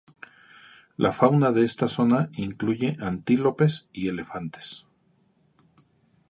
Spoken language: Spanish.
La fauna de esta zona incluye antílopes y elefantes.